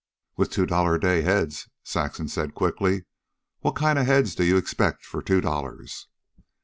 "With two dollar a day heads," Saxon said quickly. "What kind of heads do you expect for two dollars?"